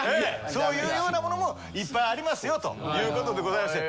そういうようなものもいっぱいありますよということでございまして。